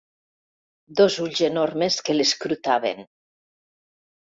Dos ulls enormes que l'escrutaven.